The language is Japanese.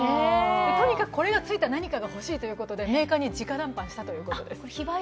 とにかくこれがついた何かがほしいということで、メーカーに直談判したそうです